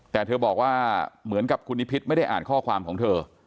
แต่เธอบอกว่าเหมือนกับคุณนิพิษไม่ได้อ่านข้อความของเธอ